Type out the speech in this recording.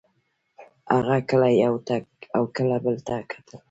هغه کله یو ته او کله بل ته کتل